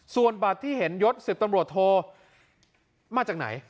ส่วนบัตรที่เห็นยศ๑๐ตำรวจโทมาจากไหน